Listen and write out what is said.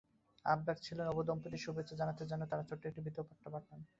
আবদার ছিল, নবদম্পতিকে শুভেচ্ছা জানাতে যেন তারা ছোট্ট একটা ভিডিওবার্তা পাঠান।